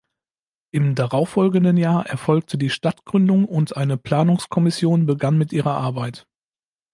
Im darauffolgenden Jahr erfolgte die Stadtgründung, und eine Planungskommission begann mit ihrer Arbeit.